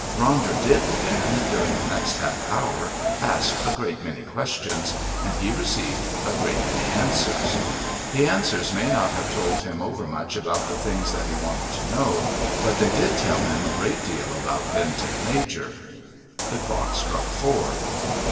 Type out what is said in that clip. Ronder did then, during the next half hour, ask a great many questions, and he received a great many answers. The answers may not have told him overmuch about the things that he wanted to know, but they did tell him a great deal about Bentinck Major. The clock struck four.